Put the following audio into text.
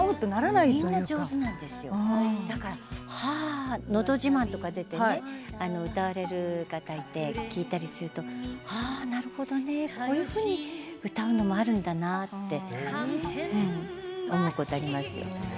だから「のど自慢」に出て歌われる方がいて聴いているとなるほどねこういうふうに歌うのもあるんだなって思うことありますよ。